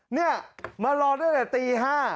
เนี่ยมารอได้แต่ตี๕